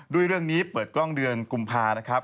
ด้วยเรื่องนี้เปิดกล้องเดือนกุมภานะครับ